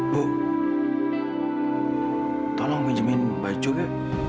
bu tolong pinjemin baju ke